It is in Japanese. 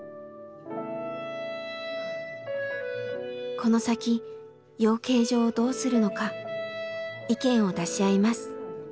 この先養鶏場をどうするのか意見を出し合います。